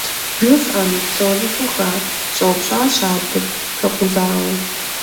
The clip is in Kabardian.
— ЖыфӀэну псори фуха? — щӀэупщӀащ адэр, хэкъузауэ.